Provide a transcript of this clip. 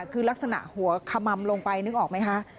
คือลักษณะหัวขมัมลงไปนึกออกไหมคะ